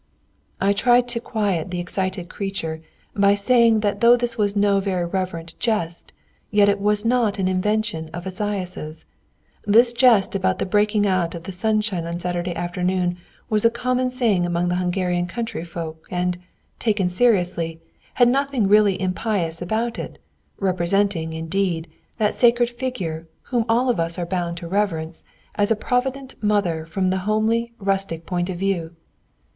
I tried to quiet the excited creature by saying that though this was no very reverent jest, yet it was not an invention of Esaias's. This jest about the breaking out of the sunshine on Saturday afternoon was a common saying among the Hungarian country folk, and, taken seriously, had really nothing impious about it, representing, indeed, that sacred figure, whom all of us are bound to reverence, as a provident mother from the homely, rustic point of view.